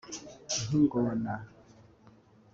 nk’ingona